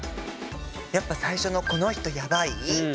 やっぱ最初の「この人ヤバい」